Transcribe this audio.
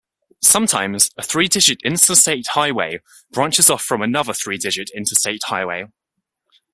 Sometimes, a three-digit Interstate Highway branches off from another three-digit Interstate Highway.